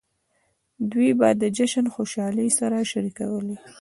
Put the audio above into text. دوی به د جشن خوشحالۍ سره شریکولې.